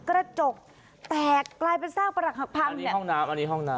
กระจกแตกกลายเป็นซากประหลักหักพังอันนี้ห้องน้ำอันนี้ห้องน้ำ